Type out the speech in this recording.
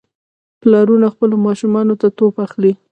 پلارونه خپلو ماشومانو ته توپ اخلي.